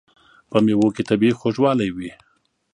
په مېوو کې طبیعي خوږوالی وي.